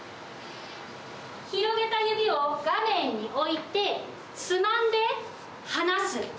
広げた指を画面に置いて、つまんで離す。